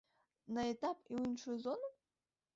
На этап і ў іншую зону?